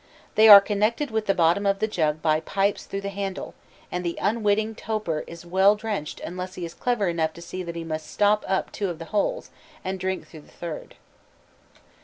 They are connected with the bottom of the jug by pipes through the handle, and the unwitting toper is well drenched unless he is clever enough to see that he must stop up two of the holes, and drink through the third.